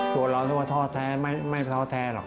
ตัวเรานึกว่าท้อแท้ไม่ท้อแท้หรอก